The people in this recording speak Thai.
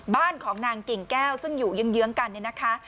บ้านของนางกิ่งแก้วซึ่งอยู่เยื้องกันเนี่ยนะคะ